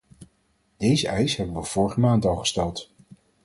Deze eis hebben we vorige maand al gesteld!